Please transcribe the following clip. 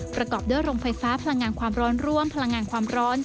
ประกอบด้วยโรงไฟฟ้าพลังงานความร้อนร่วมพลังงานความร้อน